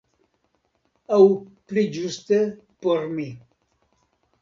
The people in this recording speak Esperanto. Aŭ pli ĝuste por mi.